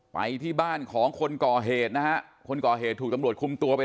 ไปที่บ้านของคนก่อเหตุนะฮะคนก่อเหตุถูกตำรวจคุมตัวไป